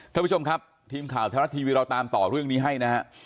ท่านผู้ชมครับทีมข่าวไทยรัฐทีวีเราตามต่อเรื่องนี้ให้นะฮะ